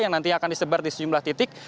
yang nantinya akan disebar di sejumlah titik